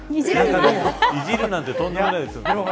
いじるなんてとんでもないです。